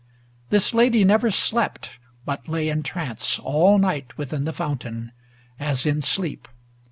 XXVIII This Lady never slept, but lay in trance All night within the fountain, as in sleep.